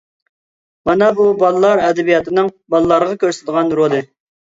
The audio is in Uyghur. مانا بۇ بالىلار ئەدەبىياتىنىڭ بالىلارغا كۆرسىتىدىغان رولى.